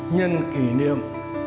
nhân kỷ niệm